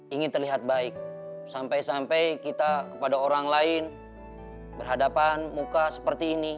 ingin terlihat baik sampai sampai kita kepada orang lain berhadapan muka seperti ini